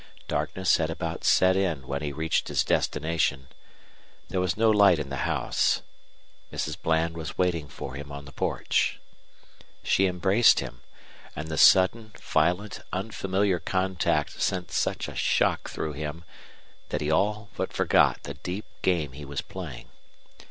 Darkness had about set in when he reached his destination. There was no light in the house. Mrs. Bland was waiting for him on the porch. She embraced him, and the sudden, violent, unfamiliar contact sent such a shock through him that he all but forgot the deep game he was playing.